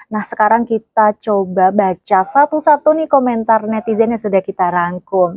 nah sekarang kita coba baca satu satu nih komentar netizen yang sudah kita rangkum